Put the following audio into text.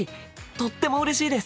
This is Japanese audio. とってもうれしいです！